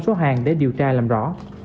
số hàng để điều tra làm rõ